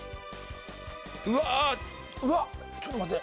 うわっちょっと待って。